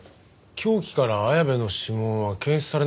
凶器から綾部の指紋は検出されなかったんだよね？